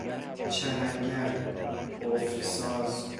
چلنگر، قفل ساز